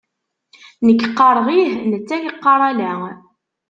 Nekk qqareɣ ih, netta yeqqar ala.